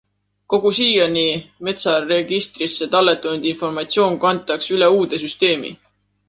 Kogu siiani metsaregistrisse talletatud informatsioon kantakse üle uude süsteemi.